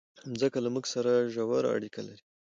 مځکه له موږ سره ژوره اړیکه لري.